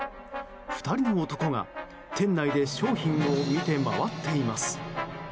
２人の男が、店内で商品を見て回っています。